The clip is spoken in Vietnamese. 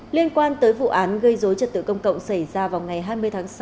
liên quan tới vụ án gây dối trật tự công cộng xảy ra vào ngày hai mươi tháng sáu